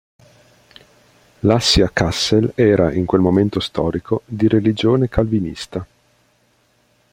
L'Assia-Kassel era, in quel momento storico, di religione calvinista.